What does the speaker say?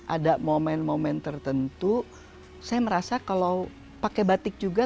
ada momen momen tertentu saya merasa kalau pakai batik juga